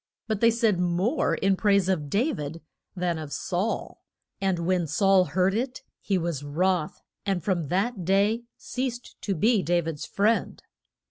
But they said more in praise of Da vid than of Saul, and when Saul heard it he was wroth, and from that day ceased to be Da vid's friend.